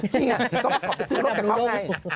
นี่ไงเขาไปซื้อรถกับเขาไง